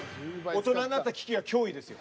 大人になったキキは脅威ですよ。